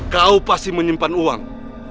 kau pasti menyimpan uang